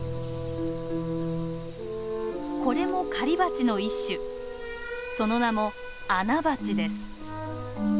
これも狩りバチの一種その名もアナバチです。